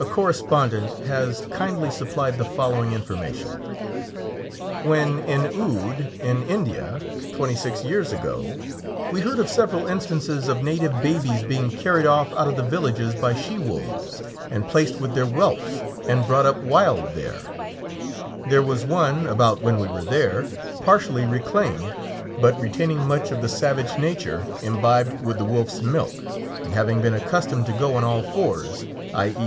A correspondent has kindly supplied the following information: "When in Oude in India, twenty six years ago, we heard of several instances of native babies being carried off out of the villages by she wolves, and placed with their whelps, and brought up wild there; there was one about when we were there, partially reclaimed, but retaining much of the savage nature imbibed with the wolf's milk, and having been accustomed to go on all fours _i.e.